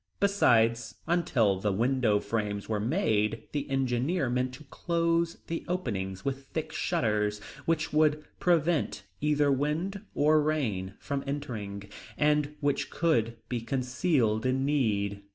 Besides, until the window frames were made, the engineer meant to close the openings with thick shutters, which would prevent either wind or rain from entering, and which could be concealed in need.